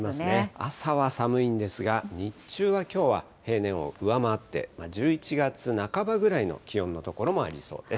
朝は寒いんですが、日中はきょうは平年を上回って、１１月半ばぐらいの気温の所もありそうです。